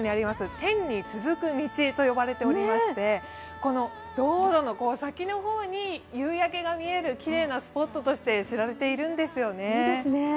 天に続く道と呼ばれていまして、道路の先の方に夕焼けが見えるきれいなスポットとして知られているんですよね。